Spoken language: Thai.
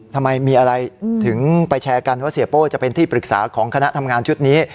ทำไมมีอะไรถึงไปแชร์กันว่าเสียโป้จะเป็นที่ปรึกษาของคณะทำงานชุดนี้